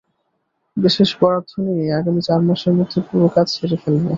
বিশেষ বরাদ্দ নিয়ে আগামী চার মাসের মধ্যে পুরো কাজ শেষ করে ফেলব।